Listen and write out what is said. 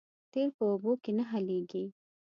تیل په اوبو کې نه حل کېږي